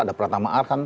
ada pratama alkan